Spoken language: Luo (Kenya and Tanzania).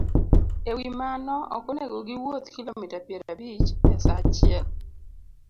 E wi mano, ok onego giwuoth kilomita piero abich e sa achiel